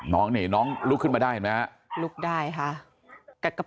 น้องนี่น้องลุกขึ้นมาได้เห็นไหมครับ